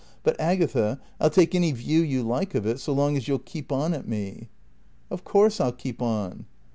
But, Agatha, I'll take any view you like of it, so long as you'll keep on at me." "Of course I'll keep on."